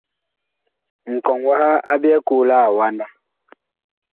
Nkɔŋ waha a byɛɛ koo la awanda.